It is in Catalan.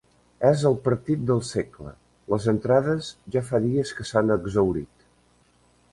És el partit del segle: les entrades ja fa dies que s'han exhaurit.